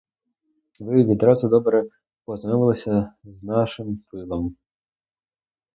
Ви відразу добре познайомилися з нашим пилом.